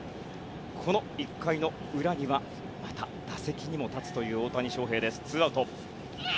この１回の裏にはまた打席にも立つという大谷翔平です。